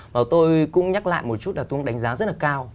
và tôi cũng nhắc lại một chút là tôi cũng đánh giá rất là cao